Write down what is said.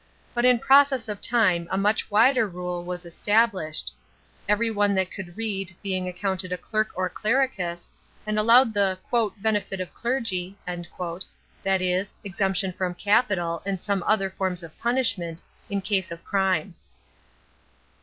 But in process of time a much wider rule was established; every one that could read being accounted a clerk or clericus, and allowed the "benefit of clergy," that is, exemption from capital and some other forms of punishment, in case of crime.